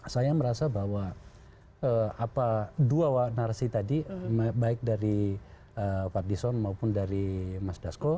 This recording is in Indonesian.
saya merasa bahwa dua narasi tadi baik dari fadlison maupun dari mas dasko